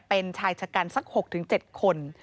เป็นชายชกรรมสัก๖๗คน